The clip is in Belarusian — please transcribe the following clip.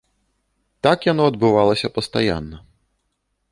Так яно адбывалася пастаянна.